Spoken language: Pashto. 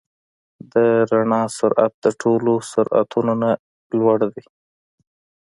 د رڼا سرعت د ټولو سرعتونو نه لوړ دی.